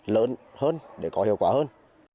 lớn hơn để có hiệu quả hơn